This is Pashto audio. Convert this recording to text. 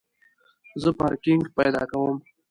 زه پارکینګ پیدا کوم